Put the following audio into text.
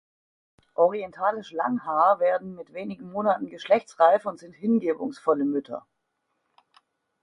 Orientalisch Langhaar werden mit wenigen Monaten geschlechtsreif und sind hingebungsvolle Mütter.